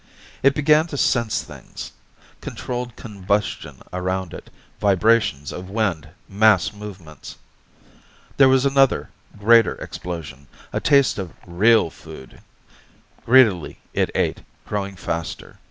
It began to sense things controlled combustion around it, vibrations of wind, mass movements. There was another, greater explosion, a taste of real food! Greedily it ate, growing faster.